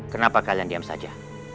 kenapa kalian diam saja